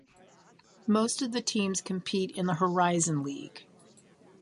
Most of the teams compete in the Horizon League.